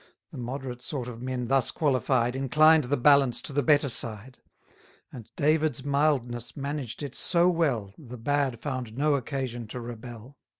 The moderate sort of men thus qualified, Inclined the balance to the better side; And David's mildness managed it so well, The bad found no occasion to rebel.